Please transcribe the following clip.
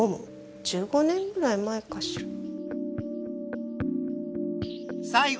１５年ぐらい前かしら。